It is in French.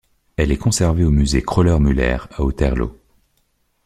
Elle est conservée au musée Kröller-Müller, à Otterlo.